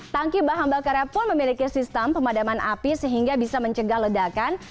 tangki bahan bakarnya pun memiliki sistem pemadaman api sehingga bisa mencegah ledakan